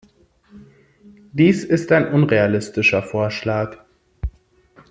Dies ist ein unrealistischer Vorschlag.